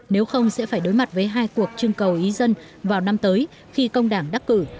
nếu không sẽ phải đối mặt với hai cuộc trưng cầu ý dân vào năm tới khi công đảng đắc cử